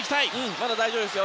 まだ大丈夫ですよ